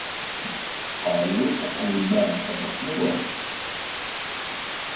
قالوا سقى الماء بطن وهب